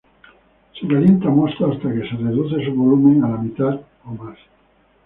Se calienta mosto hasta que se reduce su volumen a la mitad o más.